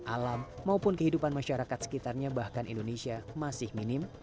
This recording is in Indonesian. alam maupun kehidupan masyarakat sekitarnya bahkan indonesia masih minim